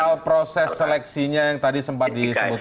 soal proses seleksinya yang tadi sempat disebutkan pak rufinus